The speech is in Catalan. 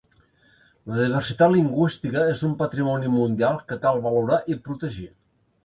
La diversitat lingüística es un patrimoni mundial que cal valorar i protegir.